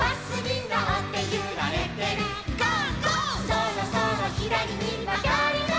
「そろそろひだりにまがります」